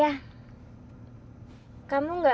kamu gak mau pacaran sama perempuan yang tadi